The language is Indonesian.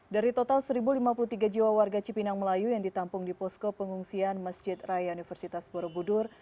dari total satu lima puluh tiga jiwa warga cipinang melayu yang ditampung di posko pengungsian masjid raya universitas borobudur